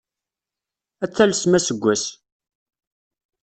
Ad talsem aseggas!